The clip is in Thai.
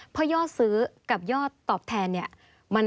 เพราะยอดซื้อกับยอดตอบแทนเนี่ย